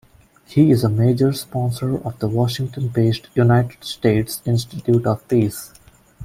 He is a major sponsor of the Washington-based United States Institute of Peace.